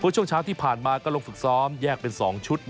ช่วงเช้าที่ผ่านมาก็ลงฝึกซ้อมแยกเป็น๒ชุด